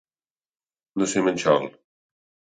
No ser manxol.